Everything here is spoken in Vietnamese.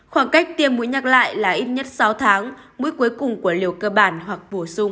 khoảng cách tiêm mũi nhắc lại là ít nhất sáu tháng mũi cuối cùng của liều cơ bản hoặc bổ sung